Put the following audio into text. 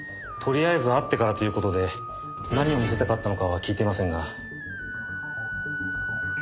とりあえず会ってからという事で何を見せたかったのかは聞いていませんが。